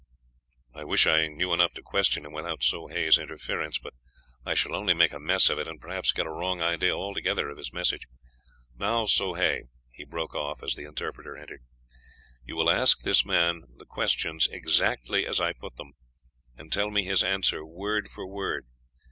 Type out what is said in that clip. "I wish I knew enough to question him without Soh Hay's interference, but I shall only make a mess of it, and, perhaps, get a wrong idea altogether of his message. Now, Soh Hay," he broke off as the interpreter entered, "you will ask this man the questions exactly as I put them, and tell me his answer word for word.